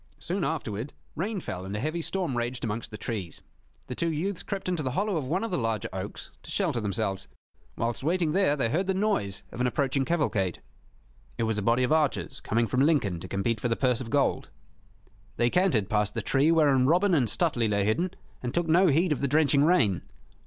Soon afterward rain fell and a heavy storm raged amongst the trees. The two youths crept into the hollow of one of the larger oaks to shelter themselves. Whilst waiting there they heard the noise of an approaching cavalcade. It was a body of archers coming from Lincoln to compete for the purse of gold. They cantered past the tree wherein Robin and Stuteley lay hidden, and took no heed of the drenching rain.